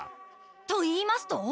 と言いますと？